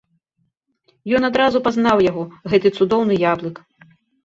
Ён адразу пазнаў яго, гэты цудоўны яблык.